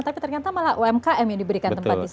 tapi ternyata malah umkm yang diberikan tempat di sana ya pak ya